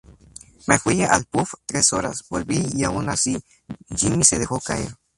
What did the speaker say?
Me fui al pub tres horas, volví y aun así Jimi se dejó caer.